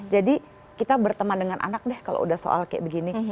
jadi kita berteman dengan anak deh kalau sudah soal kayak begini